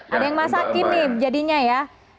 ada yang masakin nih jadinya ya